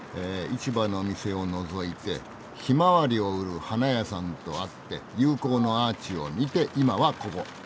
市場の店をのぞいてひまわりを売る花屋さんと会って友好のアーチを見て今はここ。